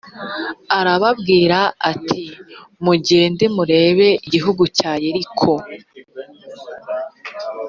arababwira ati «mugende murebe igihugu cya yeriko.»